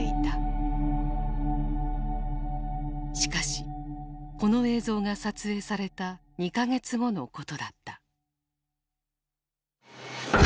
しかしこの映像が撮影された２か月後のことだった。